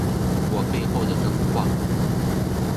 我背后的这幅画